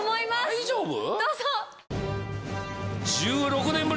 大丈夫？